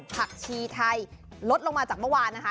ผักชีไทยลดลงมาจากเมื่อวานนะคะ